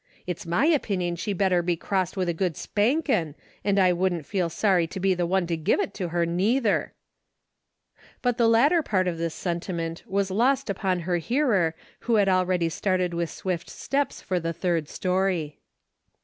It's my opinion she better be crossed with a good spankin', an' I wouldn't feel sorry to be the one to give it to her neither." But the latter part of this sentiment was lost upon her hearer who had already started with swift steps for the third story.